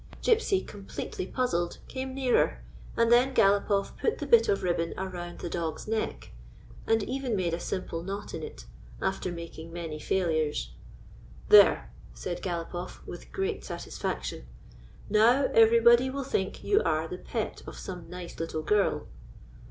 Gypsy, completely jmzzled, came nearer, and then Galopoff put the bit of ribbon around the dog's neck, and even made a simple knot in it, after making many failures. "There," said Galopoff, with great satisfac tion ;" now everybody will think you are the pet of some nice little girl."